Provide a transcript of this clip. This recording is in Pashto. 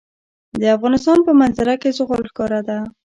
د افغانستان په منظره کې زغال ښکاره ده.